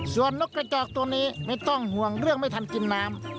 ส่วนนกกระจอกตัวนี้ไม่ต้องห่วงเรื่องไม่ทันกินน้ำ